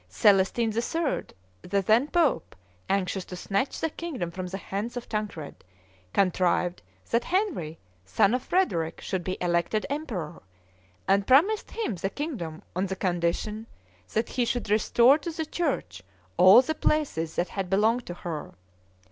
Celestine III., the then pope, anxious to snatch the kingdom from the hands of Tancred, contrived that Henry, son of Frederick should be elected emperor, and promised him the kingdom on the condition that he should restore to the church all the places that had belonged to her.